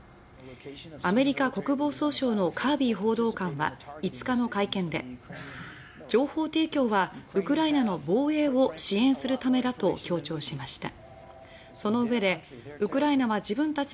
アメリカ国防総省のカービー報道官は５日の会見で情報提供はウクライナの防衛を支援するためだと強調しました。